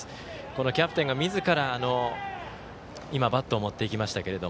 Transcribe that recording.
このキャプテンが、みずからバットを持っていきました。